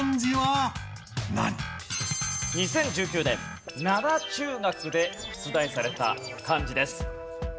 ２０１９年灘中学で出題された漢字です。